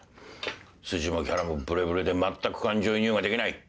筋もキャラもブレブレでまったく感情移入ができない。